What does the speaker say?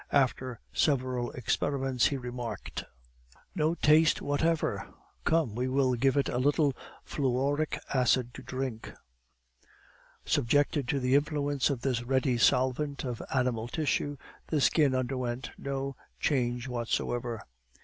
After several experiments, he remarked: "No taste whatever! Come, we will give it a little fluoric acid to drink." Subjected to the influence of this ready solvent of animal tissue, the skin underwent no change whatsoever.